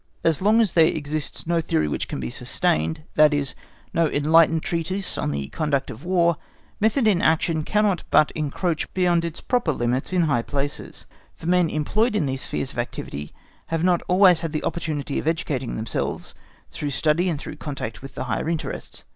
As long as there exists no theory which can be sustained, that is, no enlightened treatise on the conduct of War, method in action cannot but encroach beyond its proper limits in high places, for men employed in these spheres of activity have not always had the opportunity of educating themselves, through study and through contact with the higher interests.